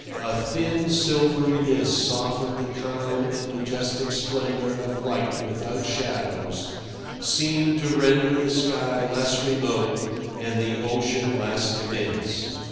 A thin, silvery mist softened the calm and majestic splendour of light without shadows—seemed to render the sky less remote and the ocean less immense.